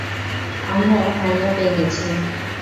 আমরা মাইয়া পেয়ে গেছি।